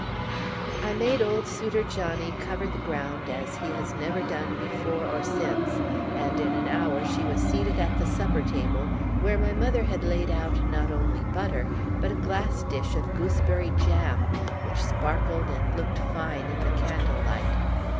I made old Souter Johnnie cover the ground as he has never done before or since, and in an hour she was seated at the supper table, where my mother had laid out not only butter, but a glass dish of gooseberry jam, which sparkled and looked fine in the candle light.